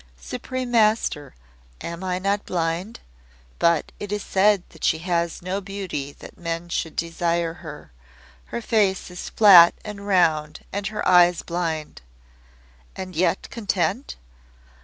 "Supreme Master, am I not blind? But it is said that she has no beauty that men should desire her. Her face is flat and round, and her eyes blind." "And yet content?"